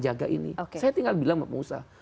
jaga ini saya tinggal bilang pengusaha